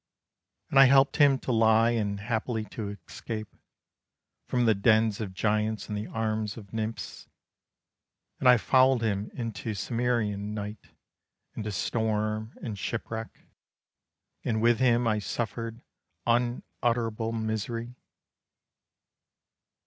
And I helped him to lie and happily to escape From the dens of giants and the arms of nymphs. And I followed him into Cimmerian night, Into storm and shipwreck, And with him I suffered unutterable misery.